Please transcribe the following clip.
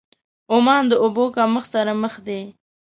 عمان د اوبو کمښت سره مخ دی.